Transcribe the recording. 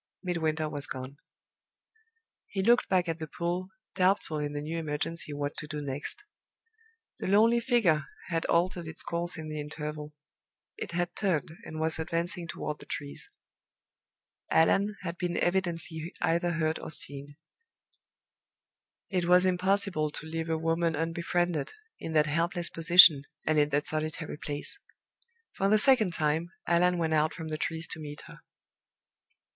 Midwinter was gone. He looked back at the pool, doubtful in the new emergency what to do next. The lonely figure had altered its course in the interval; it had turned, and was advancing toward the trees. Allan had been evidently either heard or seen. It was impossible to leave a woman unbefriended, in that helpless position and in that solitary place. For the second time Allan went out from the trees to meet her.